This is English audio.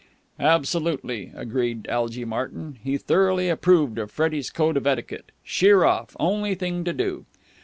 "Absolutely," agreed Algy Martyn. He thoroughly approved of Freddie's code of etiquette. Sheer off. Only thing to do.